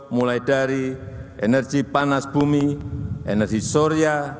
mulai dari energi panas bumi energi surya